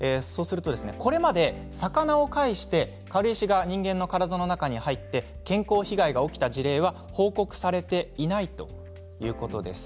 これまで魚を介して、軽石が人間の体の中に入って健康被害が起きた事例は報告されていないということです。